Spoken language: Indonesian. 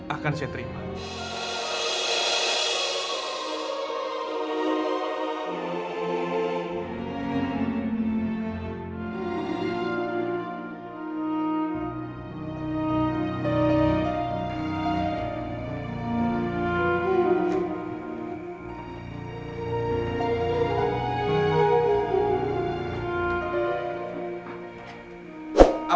akan saya terima